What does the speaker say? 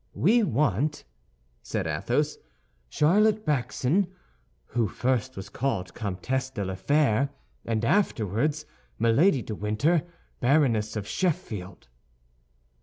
"We want," said Athos, "Charlotte Backson, who first was called Comtesse de la Fère, and afterwards Milady de Winter, Baroness of Sheffield."